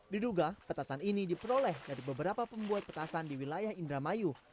diduga petasan ini diperoleh dari beberapa pembuat petasan di wilayah indramayu